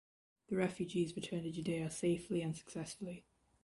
The refugees returned to Judea safely and successfully.